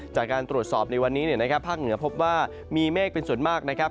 จากการตรวจสอบในวันนี้นะครับภาคเหนือพบว่ามีเมฆเป็นส่วนมากนะครับ